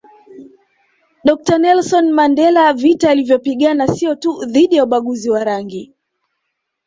Dr Nelson Mandela vita alivyopigana sio tu dhidi ya ubaguzi wa rangi